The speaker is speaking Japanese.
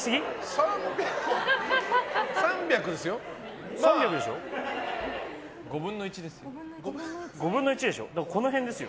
３００ですよ？